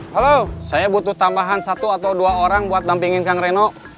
halo saya butuh tambahan satu atau dua orang buat dampingin kang reno